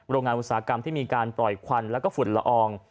โรงงานอุตสาหกรรมที่มีการปล่อยควันแล้วก็ฝุ่นละออง